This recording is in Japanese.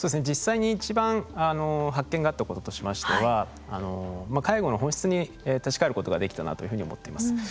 実際に一番発見があったこととしましては介護の本質に立ち返ることができたなというふうに思っています。